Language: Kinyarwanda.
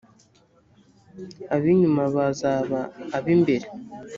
ab inyuma bazaba ab imbere